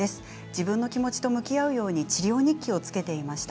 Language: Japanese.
自分の気持ちと向き合うように治療に気をつけていました。